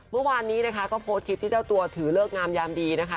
เมื่อวานนี้นะคะก็โพสต์คลิปที่เจ้าตัวถือเลิกงามยามดีนะคะ